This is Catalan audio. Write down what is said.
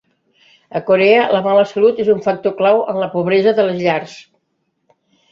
A Corea, la mala salut és un factor clau en la pobresa de les llars.